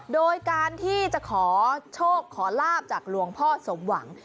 โดยการที่จะขอโชคขอลาบจากหลวงพ่อสมหวัง